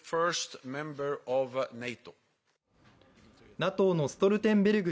ＮＡＴＯのストルテンベルグ